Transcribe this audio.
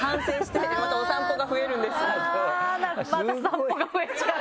また散歩が増えちゃう。